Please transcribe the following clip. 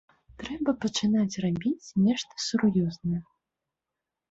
Трэба пачынаць рабіць нешта сур'ёзнае.